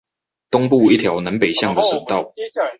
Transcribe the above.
東部一條南北向的省道